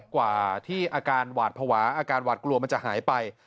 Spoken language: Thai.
กว่าที่อาการหวาดภาวะอาการหวาดกลัวมันจะหายไป